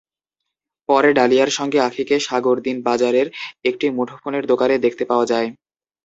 পরে ডালিয়ার সঙ্গে আঁখিকে সাগরদী বাজারের একটি মুঠোফোনের দোকানে দেখতে পাওয়া যায়।